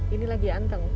ini lagi anteng